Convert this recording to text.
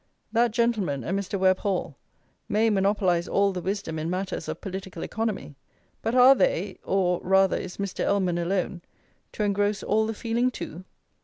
That Gentleman and Mr. Webb Hall may monopolize all the wisdom in matters of political economy; but are they, or rather is Mr. Ellman alone, to engross all the feeling too?